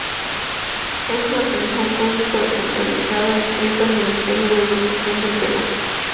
Es un organismo público descentralizado adscrito al Ministerio de Educación del Perú.